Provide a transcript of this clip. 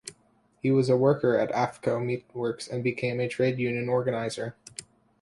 He was a worker at Affco Meatworks and became a trade union organiser.